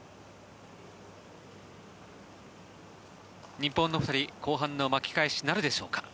日本の２人後半の巻き返しなるでしょうか